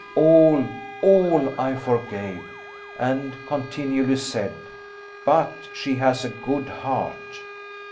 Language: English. All, all I forgave; and continually said 'but she has a good heart.